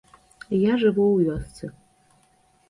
Я жыву ў вёсцы.